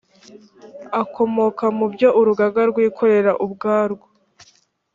akomoka mu byo urugaga rwikorera ubwarwo